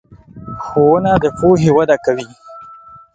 ښوونه د پوهې وده کوي.